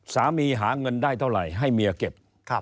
หาเงินได้เท่าไหร่ให้เมียเก็บ